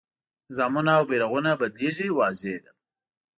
نظامونه او بیرغونه بدلېږي واضح ده.